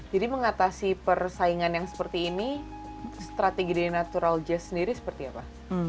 mengatasi persaingan yang seperti ini strategi dari natural jazz sendiri seperti apa